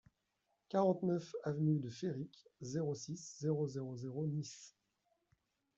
quarante-neuf avenue de Féric, zéro six, zéro zéro zéro, Nice